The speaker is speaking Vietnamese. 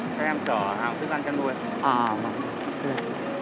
xe mình là chở hàng thứ văn chăn lui